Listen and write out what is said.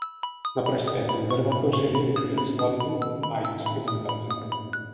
Na Pražské konzervatoři vyučuje skladbu a instrumentaci.